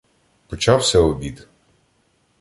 Почався обід.